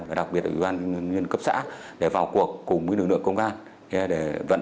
và đặc biệt là ký ban nhân cấp xã để vào cuộc cùng với lực lượng công an